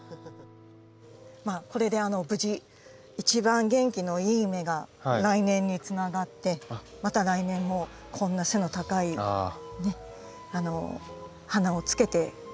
これで無事一番元気のいい芽が来年につながってまた来年もこんな背の高い花をつけてくれそうですね。